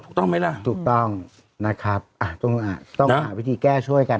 ถูกต้องไหมล่ะถูกต้องนะครับต้องหาวิธีแก้ช่วยกัน